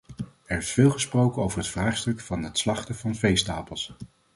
Er is veel gesproken over het vraagstuk van het slachten van veestapels.